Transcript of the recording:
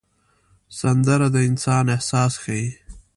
سندره د انسان احساس ښيي